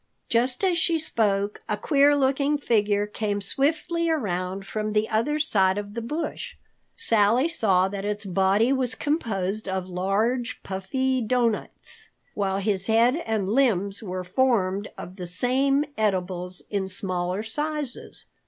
Just as she spoke a queer looking figure came swiftly around from the other side of the bush. Sally saw that its body was composed of large, puffy doughnuts, while his head and limbs were formed of the same edibles in smaller sizes.